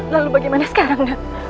lalu bagaimana sekarang